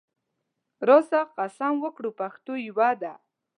راسه قسم وکړو پښتو یوه ده